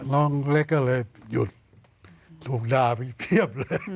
น้องเล็กก็เลยหยุดตรงด่าพริเภียบเลย